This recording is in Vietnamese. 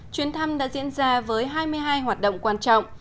chuyến thăm đã diễn ra với hai mươi hai hoạt động quan trọng